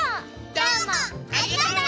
どうもありがとう！